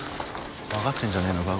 分かってんじゃねえのか？